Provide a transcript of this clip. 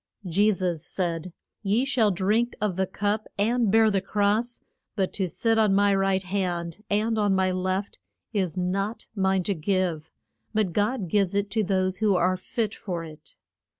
Je sus said, Ye shall drink of the cup, and bear the cross, but to sit on my right hand and on my left is not mine to give; but God gives it to those who are fit for it.